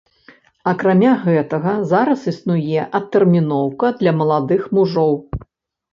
Акрамя гэтага, зараз існуе адтэрміноўка для маладых мужоў.